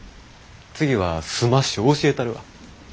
次はスマッシュ教えたるわ。